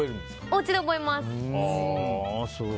お家で覚えます。